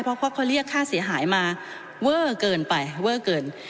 เพราะเขาเรียกค่าเสียหายมาเวอร์เกินไป